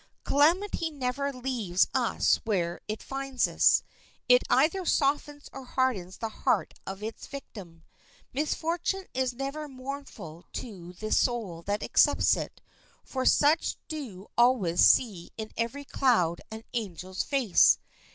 Calamity never leaves us where it finds us; it either softens or hardens the heart of its victim. Misfortune is never mournful to the soul that accepts it, for such do always see in every cloud an angel's face.